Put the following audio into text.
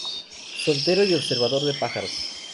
Soltero y observador de pájaros.